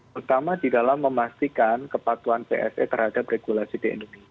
terutama di dalam memastikan kepatuan psa terhadap regulasi dne